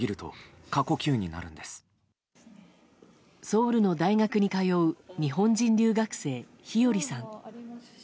ソウルの大学に通う日本人留学生、日和さん。